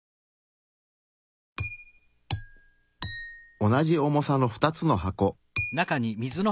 おなじ重さの２つの箱。